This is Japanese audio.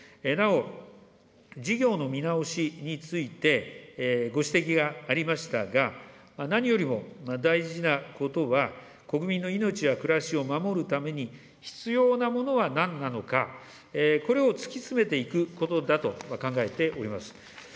なお、事業の見直しについて、ご指摘がありましたが、何よりも大事なことは、国民の命や暮らしを守るために、必要なものはなんなのか、これを突き詰めていくことだと考えております。